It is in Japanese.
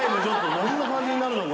どんな感じになるのか。